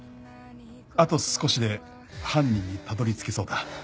「あと少しで犯人にたどり着けそうだ」